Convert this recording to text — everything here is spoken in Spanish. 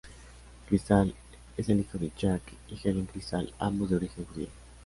Crystal es el hijo de Jack y Helen Crystal, ambos de origen judío.